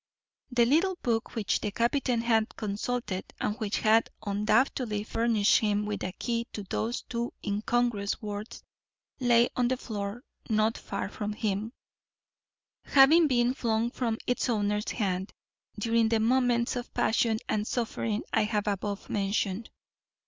The little book which the captain had consulted, and which had undoubtedly furnished him with a key to those two incongruous words, lay on the floor not far from him, having been flung from its owner's hand during the moments of passion and suffering I have above mentioned.